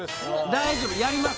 大丈夫やります